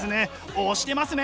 推してますね！